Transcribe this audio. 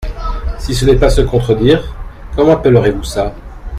Si ce n’est pas se contredire, Comment appellerez-vous ça ?